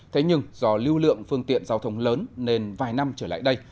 thế nhưng do lưu lượng phương tiện giao thông lớn nên vài năm trở lại đây